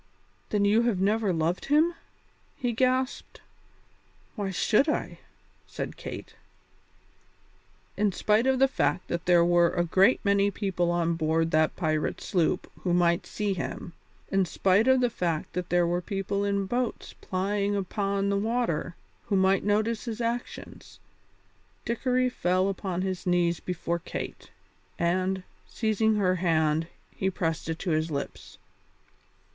"Then you have never loved him?" he gasped. "Why should I?" said Kate. In spite of the fact that there were a great many people on board that pirate sloop who might see him; in spite of the fact that there were people in boats plying upon the water who might notice his actions, Dickory fell upon his knees before Kate, and, seizing her hand, he pressed it to his lips.